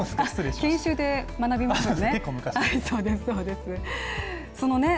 研修で学びましたね。